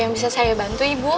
pada selamanya learn dan buksan